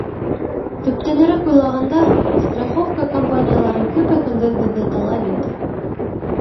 Төптәнерәк уйлағанда, страховка компаниялары көпә-көндөҙ беҙҙе талай бит.